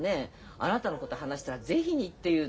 あなたのことを話したら是非にって言うのよ。